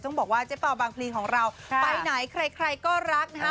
บอกว่าเจ๊เป่าบางพลีของเราไปไหนใครก็รักนะฮะ